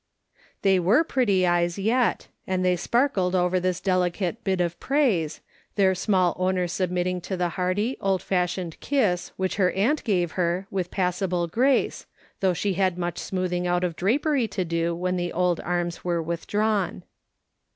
'' They were pretty eyes yet, and they sparkled over this delicate bit of praise, their small owner submit ting to the hearty, old fashioned kiss which her aunt 88 MRS. SOLOMON SMITH LOOKING ON. ffave her with passable grace, though she had much smoothing out of drapery to do when the old arms were willuhuwn.